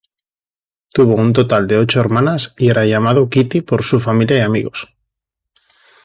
Tuvo un total ocho hermanas y era llamado "Kitty" por su familia y amigos.